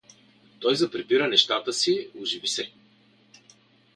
Той заприбира нещата си, оживи се.